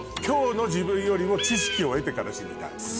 今日の自分よりも知識を得てから死にたい。